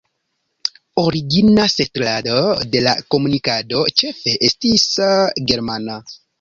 Origina setlado de la komunikado ĉefe estis germana.